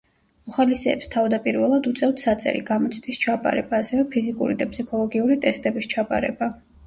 მოხალისეებს თავდაპირველად უწევთ საწერი გამოცდის ჩაბარება, ასევე ფიზიკური და ფსიქოლოგიური ტესტების ჩაბარება.